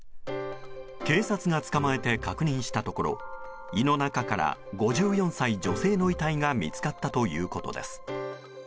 警察が捕まえて確認したところ胃の中から５４歳女性の遺体が見つかったということです。